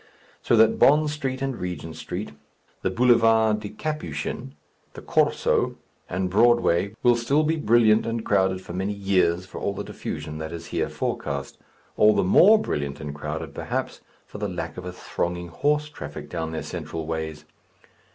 So that Bond Street and Regent Street, the Boulevard des Capuchins, the Corso, and Broadway will still be brilliant and crowded for many years for all the diffusion that is here forecast all the more brilliant and crowded, perhaps, for the lack of a thronging horse traffic down their central ways.